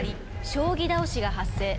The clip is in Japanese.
将棋倒しが発生。